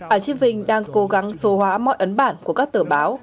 shiping đang cố gắng số hóa mọi ấn bản của các tờ báo